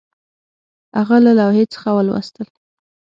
هغه له لوحې څخه ولوستل